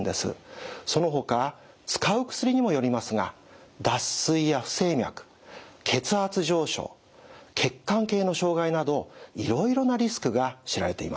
そのほか使う薬にもよりますが脱水や不整脈血圧上昇血管系の障害などいろいろなリスクが知られています。